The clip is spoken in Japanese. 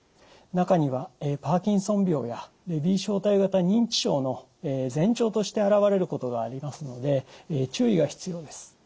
中にはパーキンソン病やレビー小体型認知症の前兆として現れることがありますので注意が必要です。